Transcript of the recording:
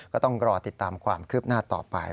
ก็ต้องรอติดตามความคืบหน้าต่อไป